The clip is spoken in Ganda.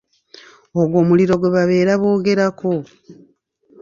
Ogwo muliro gwe babeera boogerako.